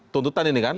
tuntutan ini kan